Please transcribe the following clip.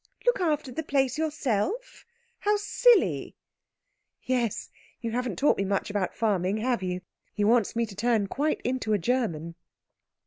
"Look after the place yourself? How silly!" "Yes, you haven't taught me much about farming, have you? He wants me to turn quite into a German."